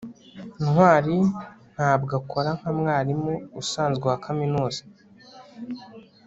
ntwali ntabwo akora nka mwarimu usanzwe wa kaminuza